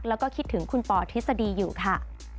แล้วก็คิดถึงคุณปอทฤษฎีอยู่ค่ะ